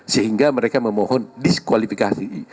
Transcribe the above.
sehingga mereka memohon diskualifikasi